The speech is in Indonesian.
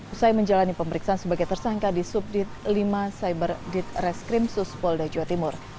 usai menjalani pemeriksaan sebagai tersangka di subdit lima cyberdit reskrim sus polda jawa timur